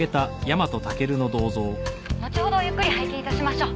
のちほどゆっくり拝見致しましょう。